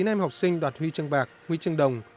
một mươi chín em học sinh đạt huy chương bạc huy chương đồng